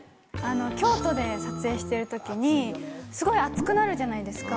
京都で撮影している時にすごい暑くなるじゃないですか。